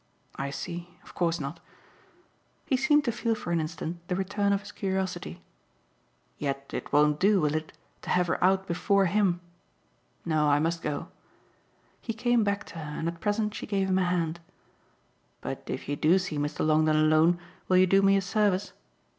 "I see of course not." He seemed to feel for an instant the return of his curiosity. "Yet it won't do, will it? to have her out before HIM? No, I must go." He came back to her and at present she gave him a hand. "But if you do see Mr. Longdon alone will you do me a service?